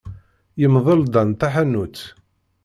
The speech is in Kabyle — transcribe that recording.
Yemdel Dan taḥanut.